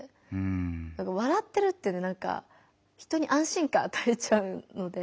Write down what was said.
笑ってるって人に安心感あたえちゃうので。